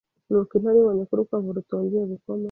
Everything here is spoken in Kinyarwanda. Nuko intare ibonye ko urukwavu rutongeye gukoma